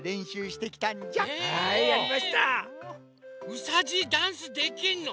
うさじいダンスできんの？